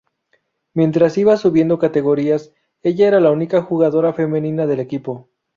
Mientras iba subiendo categorías ella era la única jugadora femenina del equipo.